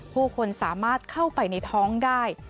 ผู้คนสามารถเข้าไปในท้องได้